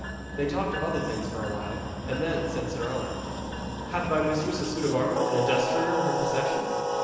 They talked of other things for a while, and then said Sir Owen: 'Hath thy mistress a suit of armour, and a destrier in her possession?'